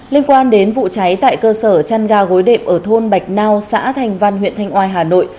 liên quan đến vụ cháy tại cơ sở trăn gà gối đệm ở thôn bạch nau xã thành văn huyện thanh oai hà nội